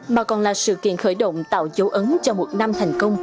mà còn là sự kiện khởi động tạo dấu ấn cho một năm thành công